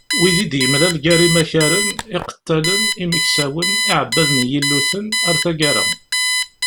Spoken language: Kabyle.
Wid i d-yemlal gar imakaren, iqettalen, imeksawen, iεebbaden n yilluten, atg.